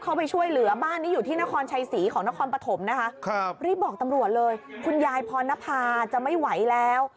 คราวดที่ได้แบ่งแล้วคุณยายจะไม่ไหวแล้ว